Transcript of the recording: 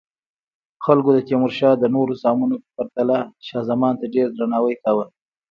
خلکو د تیمورشاه د نورو زامنو په پرتله شاه زمان ته ډیر درناوی کاوه.